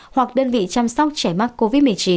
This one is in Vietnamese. hoặc đơn vị chăm sóc trẻ mắc covid một mươi chín